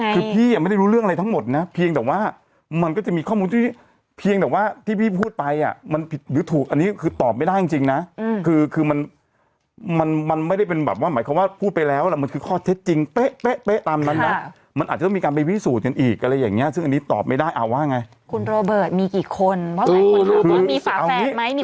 คือพี่ไม่ได้รู้เรื่องอะไรทั้งหมดนะเพียงแต่ว่ามันก็จะมีข้อมูลที่เพียงแต่ว่าที่พี่พูดไปอ่ะมันผิดหรือถูกอันนี้คือตอบไม่ได้จริงจริงนะคือคือมันมันไม่ได้เป็นแบบว่าหมายความว่าพูดไปแล้วแล้วมันคือข้อเท็จจริงเป๊ะเป๊ะเป๊ะตามนั้นมันอาจจะมีการไปวิสูจน์กันอีกอะไรอย่างเงี้ยซึ่งอันนี้ตอบไม่ได้